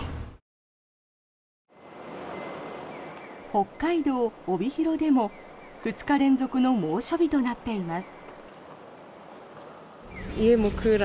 北海道帯広でも２日連続の猛暑日となっています。